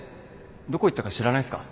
どこ行ったか知らないっすか？